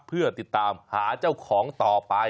เพื่อติดตามหาเจ้าของต่อไป